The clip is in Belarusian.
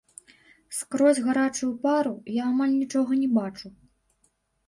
Скрозь гарачую пару я амаль нічога не бачу.